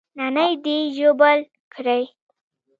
نانى دې ژوبل کړى.